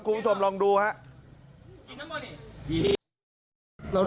คุณผู้ชมลองดูครับ